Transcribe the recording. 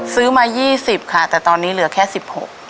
ซื้อมา๒๐ค่ะแต่ตอนนี้เหลือแค่สิบหก